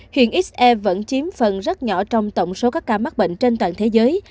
hiện se vẫn chiếm phần rất nhỏ trong tổng số các ca mắc bệnh trên toàn thế giới